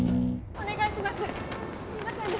お願いします！